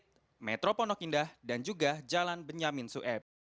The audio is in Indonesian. jalan metroponok indah dan juga jalan benyamin sueb